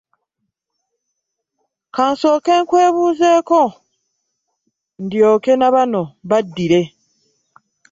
Ka nsooke nkwebuuzeeko ndyoke bano mbaddire.